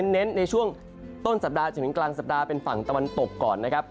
เน้นในช่วงต้นสัปดาห์จนถึงกลางสัปดาห์เป็นฝั่งตะวันตกก่อนนะครับ